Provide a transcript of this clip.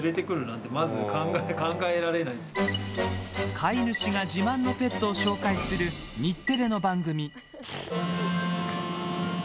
飼い主が自慢のペットを紹介する日テレの番組。